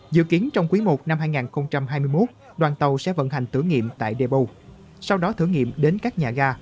dự kiến trong quý i năm hai nghìn hai mươi một đoàn tàu sẽ vận hành thử nghiệm tại depo sau đó thử nghiệm đến các nhà ga